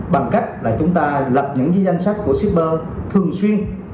bằng cách là chúng ta lập những danh sách của shipper thường xuyên